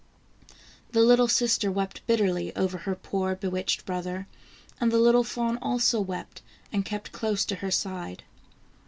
The little sister wept bitterly over her poor bewitched brother, and the little fawn also wept, and kept close to her side.